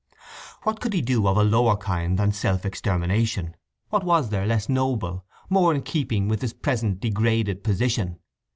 What could he do of a lower kind than self extermination; what was there less noble, more in keeping with his present degraded position?